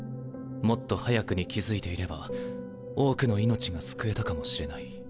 もっと早くに気付いていれば多くの命が救えたかもしれない。